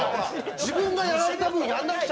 自分がやられた分やらなくちゃ！